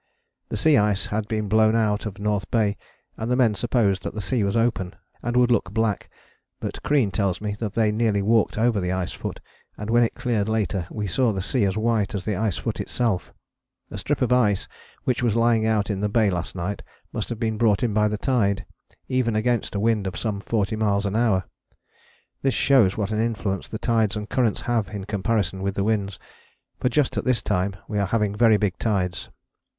The sea ice had been blown out of North Bay, and the men supposed that the sea was open, and would look black, but Crean tells me that they nearly walked over the ice foot, and, when it cleared later, we saw the sea as white as the ice foot itself. A strip of ice which was lying out in the Bay last night must have been brought in by the tide, even against a wind of some forty miles an hour. This shows what an influence the tides and currents have in comparison with the winds, for just at this time we are having very big tides.